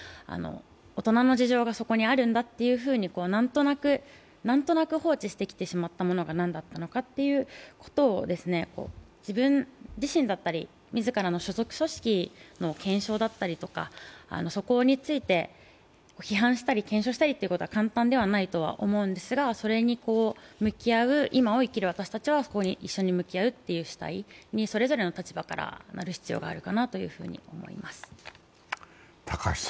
大人の事情がそこにあるんだと、なんとなく放置してしてきてしまったものが何だったのかというのを自分自身だったり、自らの所属組織の検証だったりとか、そこについて、批判したり検証したりというのは簡単ではないと思うんですがそれに向き合う、今を生きる私たちはそれに向き合うようにしたい、それぞれの立場からなる必要があるかなと思います。